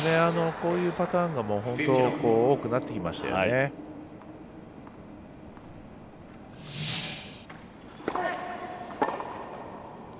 こういうパターンが本当に多くなってきましたよね。